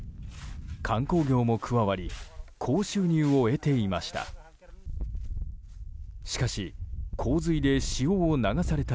観光業も加わり高収入を得ていました。